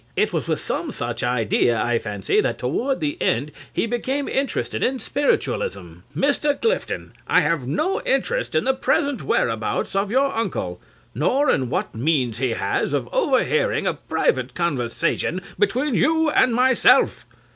It was with some such idea, I fancy, that toward the end he became interested in spiritualism. CRAWSHAW (rising solemnly). Mr. Clifton, I have no interest in the present whereabouts of your uncle, nor in what means he has of overhearing a private conversation between you and myself.